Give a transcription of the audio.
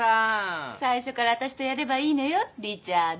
最初から私とやればいいのよリチャード。